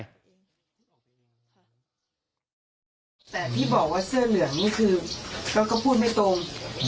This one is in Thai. แต่ที่บอกว่าเสื้อเหลืองนี่คือแล้วก็พูดไม่ตรง